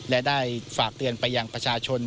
และได้ฝากเตือนไปยังประชาชน